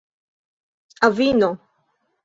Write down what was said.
avino